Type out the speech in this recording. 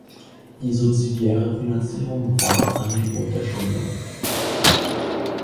Die subsidiäre Finanzierung war ein Gebot der Stunde.